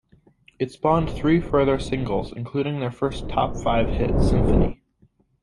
It spawned three further singles, including their first top five hit "Symphonie".